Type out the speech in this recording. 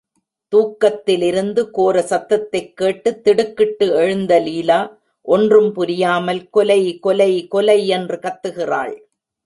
தூக்கத்திலிருந்து கோர சத்தத்தைக் கேட்டுத் திடுக்கிட்டு எழுந்த லீலா ஒன்றும் புரியாமல் கொலை கொலை கொலை என்று கத்துகிறாள்.